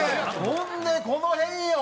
ほんでこの辺よ。